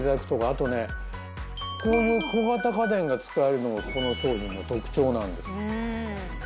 あとねこういう小型家電が使えるのもこの商品の特長なんです。